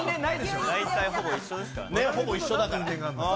ほぼ一緒だから。